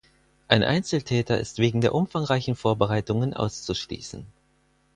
Ein Einzeltäter ist wegen der umfangreichen Vorbereitungen auszuschließen.